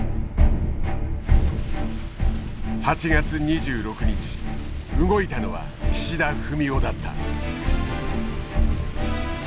８月２６日動いたのは岸田文雄だった。